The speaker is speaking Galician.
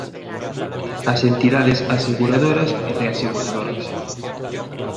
As entidades aseguradoras e reaseguradoras.